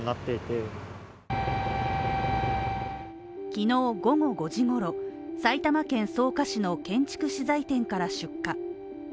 きのう午後５時ごろ、埼玉県草加市の建築資材店から出火。